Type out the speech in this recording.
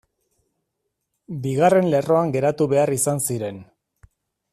Bigarren lerroan geratu behar izan ziren.